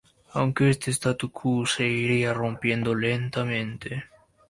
Aunque este estatus quo se iría rompiendo lentamente.